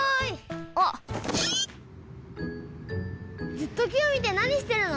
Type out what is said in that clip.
ずっときをみてなにしてるの？